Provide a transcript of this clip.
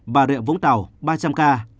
bà rịa vũng tảo ba trăm linh ca